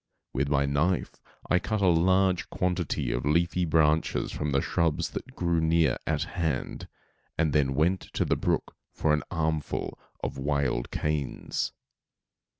With my knife I cut a large quantity of leafy branches from the shrubs that grew near at hand, and then went to the brook for an armful of wild canes.